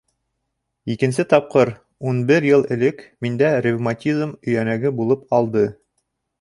Икенсе тапҡыр, үн бер йыл элек, миндә ревматизм өйәнәге булып алды.